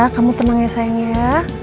kamu tenang ya sayang ya